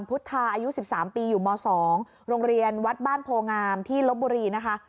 พุทธาอายุ๑๓ปีอยู่ม๒โรงเรียนวัดบ้านโพงามที่ลบบุรีนะคะ